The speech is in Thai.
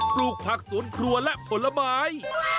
ปลูกผักสวนครัวและผลไม้